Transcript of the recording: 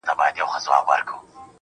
شېخ سره وښورېدی زموږ ومخته کم راغی.